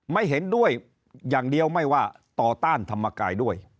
ไม่เห็นด้วยอย่างเดียวไม่ว่าต่อต้านธรรมกายด้วย